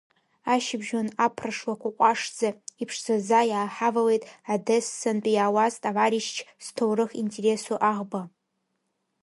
Ашьыбжьон аԥра шлақәа ҟәашӡа, иԥшӡаӡа иааҳавалеит Одессантәи иаауаз Товаришьч зҭоурых интересу аӷба.